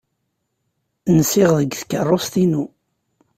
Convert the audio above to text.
Nsiɣ deg tkeṛṛust-inu.